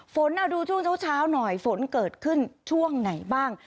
ดูช่วงเช้าหน่อยฝนเกิดขึ้นช่วงไหนบ้าง